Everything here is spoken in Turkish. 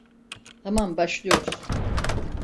Tamam, başlıyoruz.